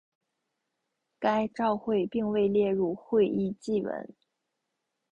该照会并未列入会议记文。